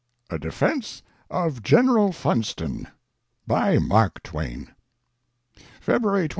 A DEFENCE OF GENERAL FUNSTON. BY MARK TWAIN. I. February 22.